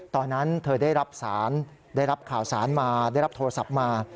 ตอนนั้นเธอได้รับสารได้รับข่าวสารมาได้รับโทรศัพท์มา